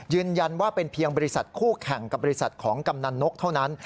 ยืนยันว่าเป็นเพียงบริษัทคู่แข่งกับบริษัทของกำนันนกเท่านั้น